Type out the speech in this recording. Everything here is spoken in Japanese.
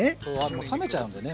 冷めちゃうんでね